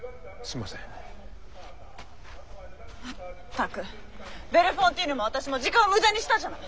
まったくベルフォンティーヌも私も時間を無駄にしたじゃない！